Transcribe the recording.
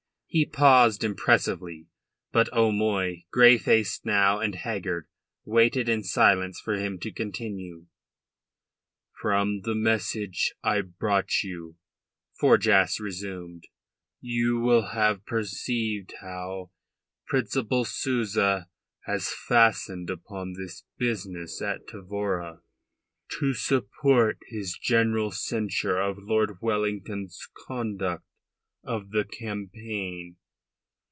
He paused impressively. But O'Moy, grey faced now and haggard, waited in silence for him to continue. "From the message I brought you," Forjas resumed, "you will have perceived how Principal Souza has fastened upon this business at Tavora to support his general censure of Lord Wellington's conduct of the campaign.